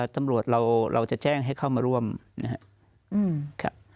ตำรวจเราจะแจ้งให้เข้ามาร่วมนะครับ